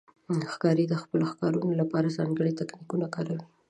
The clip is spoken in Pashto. ښکاري د خپلو ښکارونو لپاره ځانګړي تاکتیکونه کاروي.